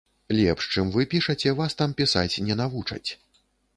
Лепш, чым вы пішаце, вас там пісаць не навучаць.